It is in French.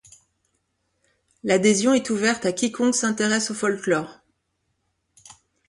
L'adhésion est ouverte à quiconque s'intéresse au folklore.